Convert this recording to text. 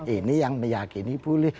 ini yang meyakini boleh